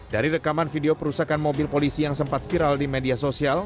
dari rekaman video perusakan mobil polisi yang sempat viral di media sosial